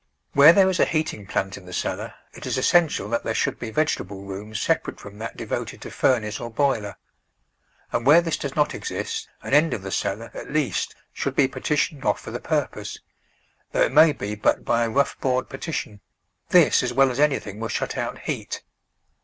Where there , is a heating plant in the cellar it is essential that there should be vegetable rooms separate from that devoted to furnace or boiler, and where this does not exist, an end of the cellar, at least, should be partitioned off for the purpose, though it may be but by a rough board partition; this as well as anything will shut out heat.